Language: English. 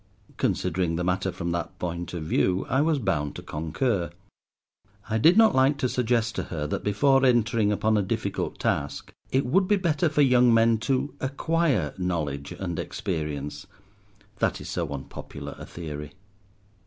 Considering the matter from that point of view I was bound to concur. I did not like to suggest to her that before entering upon a difficult task it would be better for young men to acquire knowledge and experience: that is so unpopular a theory.